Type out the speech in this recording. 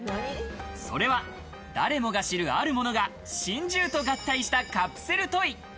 それは誰もが知る、ある物が、神獣と合体したカプセルトイ。